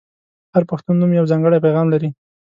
• هر پښتو نوم یو ځانګړی پیغام لري.